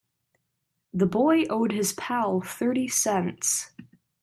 The boy owed his pal thirty cents.